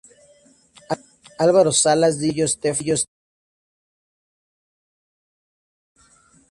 Álvaro Salas, Dino Gordillo, Stefan Kramer, Mauricio Flores, la Cía.